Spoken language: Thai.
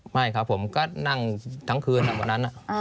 ไม่ครับผมก็นั่งทั้งคืนวันนั้น